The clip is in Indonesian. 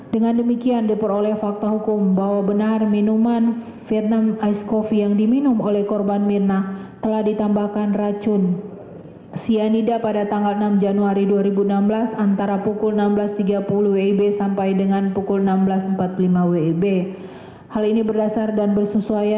dengan demikian diperoleh fakta hukum bahwa benar minuman vietnam ice coffee yang diminum oleh kain itu adalah kain yang berbeda dengan kain yang diperoleh